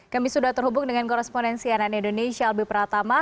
kami sudah terhubung dengan korrespondensi anan indonesia albi pratama